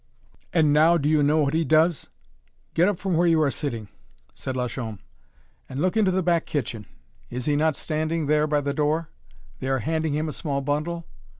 And now, do you know what he does? Get up from where you are sitting," said Lachaume, "and look into the back kitchen. Is he not standing there by the door they are handing him a small bundle?"